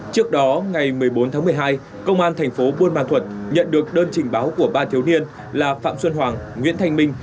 trước đó ngày một mươi bốn tháng một mươi hai công an thành phố buôn ma thuật nhận được đơn trình báo của ba thiếu niên là phạm xuân hoàng nguyễn thanh minh